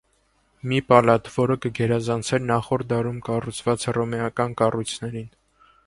Մի պալատ, որը կգերազանցեր նախորդ դարում կառուցված հռոմեական կառույցներին։